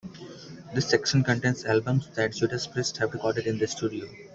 This section contains albums that Judas Priest have recorded in the studio.